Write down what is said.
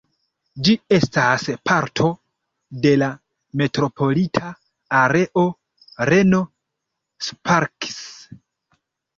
Ĝi estas parto de la metropolita areo Reno–Sparks.